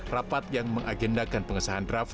rapat yang mengagendakan pengesahan draft